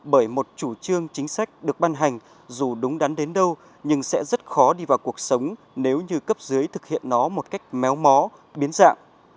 bởi một chủ trương chính sách được ban hành dù đúng đắn đến đâu nhưng sẽ rất khó đi vào cuộc sống nếu như cấp dưới thực hiện nó một cách méo mó biến dạng